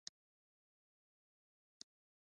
د اتلانو نومونه هم ایښودل کیږي.